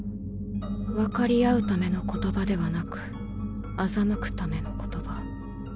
分かり合うための言葉ではなく欺くための言葉。